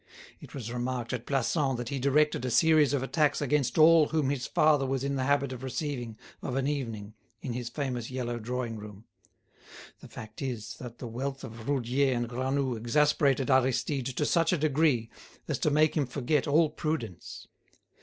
It was remarked at Plassans that he directed a series of attacks against all whom his father was in the habit of receiving of an evening in his famous yellow drawing room. The fact is that the wealth of Roudier and Granoux exasperated Aristide to such a degree as to make him forget all prudence.